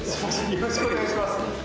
よろしくお願いします。